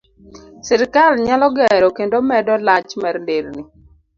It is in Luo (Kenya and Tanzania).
Sirkal nyalo gero kendo medo lach mar nderni